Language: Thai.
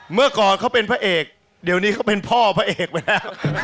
เมื่อก่อนเขาเป็นพระเอกเดี๋ยวนี้เขาเป็นพ่อพระเอกไปแล้ว